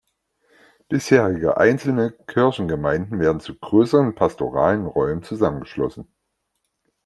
Bisherige einzelne Kirchengemeinden werden zu größeren pastoralen Räumen zusammengeschlossen.